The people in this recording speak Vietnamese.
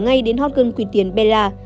ngay đến hot girl quyền tiền bella